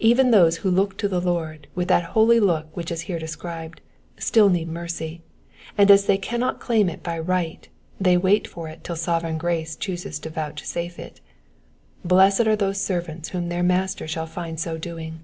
Even those who look to the Lord, with that holy look which is here described, still need mercy, and as they cannot claim it by right they wait for it till sovereign grace chooses to vouchsafe it. Blessed are those servants whom their Master shall find so doing.